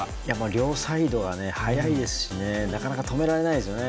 両サイドが速いですしなかなか止められないですよね。